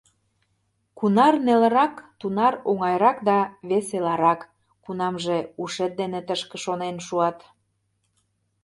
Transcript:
Кунар нелырак, тунар оҥайрак да веселарак, кунамже ушет дене тышке шонен шуат.